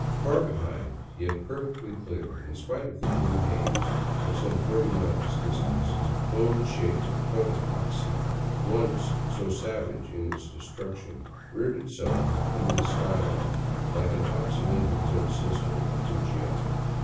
Far behind, yet perfectly clear in spite of the blue haze of some forty miles distance, cone shaped Cotapaxi, once so savage in its destruction, reared itself into the sky line like an occidental twin sister of Fujiyama.